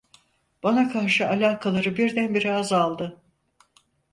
Bana karşı alakaları birdenbire azaldı…